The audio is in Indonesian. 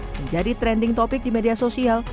menjadi trending topic di media sosial